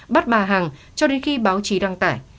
bắt bà hằng cho đến khi báo chí đăng tải